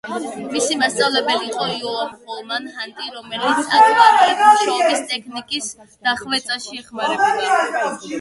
მისი მასწავლებელი იყო უილიამ ჰოლმან ჰანტი, რომელიც აკვარელით მუშაობის ტექნიკის დახვეწაში ეხმარებოდა.